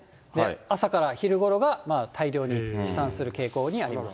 朝から昼ごろが大量に飛散する傾向にあります。